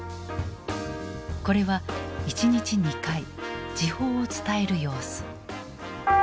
これは１日２回時報を伝える様子。